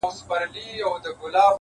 ښه ملګرتیا فکرونه لوړوي